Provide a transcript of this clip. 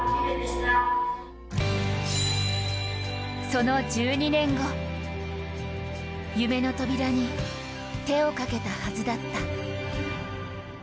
その１２年後、夢の扉に手をかけたはずだった。